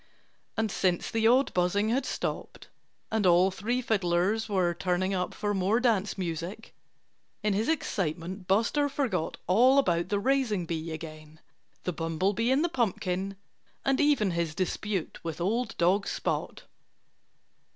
And since the odd buzzing had stopped, and all three fiddlers were tuning up for more dance music, in his excitement Buster forgot all about the raising bee again, the bumblebee in the pumpkin, and even his dispute with old dog Spot.